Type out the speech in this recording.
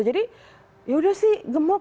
jadi ya udah sih gemuk